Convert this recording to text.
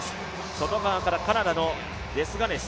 外側からカナダのデスガネス。